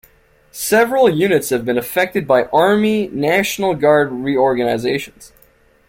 Several units have been affected by Army National Guard reorganizations.